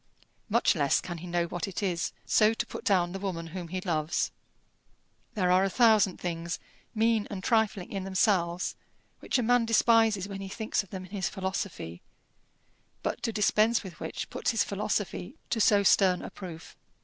Much less can he know what it is so to put down the woman whom he loves. There are a thousand things, mean and trifling in themselves, which a man despises when he thinks of them in his philosophy, but to dispense with which puts his philosophy to so stern a proof.